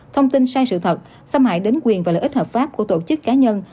thông tin sai sự thật xâm hại đến quyền và lợi ích hợp pháp của tổ chức cá nhân